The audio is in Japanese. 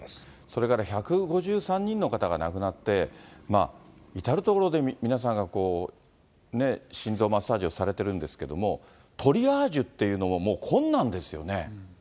それから１５３人の方が亡くなって、至る所で皆さんが心臓マッサージをされてるんですけど、トリアージっていうのももう困難ですよね。